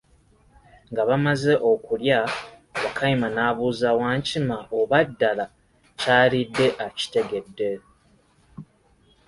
Nga bamaze okulya, Wakayima n'abuuza Wankima oba ddala kyalidde akitegedde.